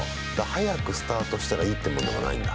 早くスタートしたらいいってもんでもないんだ。